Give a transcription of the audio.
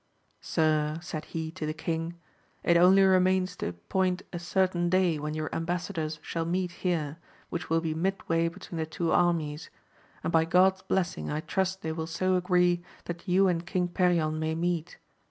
Sir, said he to the king, it only remains to appoint a certain day when your ambassadors shall meet here, which will be mid way between the two armies ; and by God*s blessing I trust they will so agree that you and king Perion may meet.